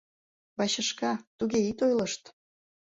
— Бачышка, туге ит ойлышт.